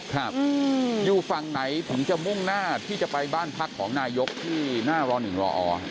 ครับอยู่ฝั่งไหนถึงจะมุ่งหน้าที่จะไปบ้านพักของนายกที่หน้าร๑รอ